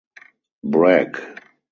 Bragg.